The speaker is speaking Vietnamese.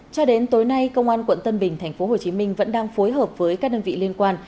cho đến tối nay công an quận tân bình tp hcm vẫn đang phối hợp với các đơn vị liên quan